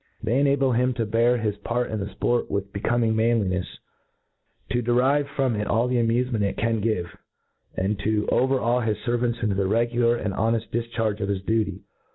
They enable him to bear his part in the fport with becoming manlinefs, to derive from it all the amufement it can give, ^d to overawe his fervant into the regular and honcft difcharge of his duty.